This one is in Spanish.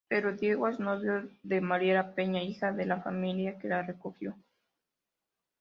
Pero Diego es novio de "Mariela Peña", hija de la familia que la recogió.